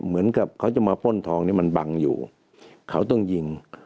เหมือนกับเขาจะมาป้นทองเนี่ยมันบังอยู่เขาต้องยิง